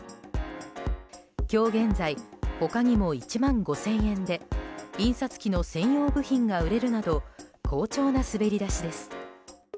今日現在他にも１万５０００円で印刷機の専用部品が売れるなど好調な滑り出しです。